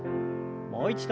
もう一度。